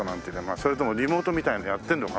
それともリモートみたいなのやってるのかな？